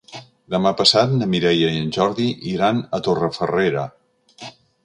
Demà passat na Mireia i en Jordi iran a Torrefarrera.